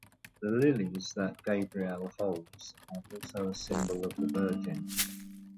The lilies that Gabriel holds are also a symbol of the Virgin.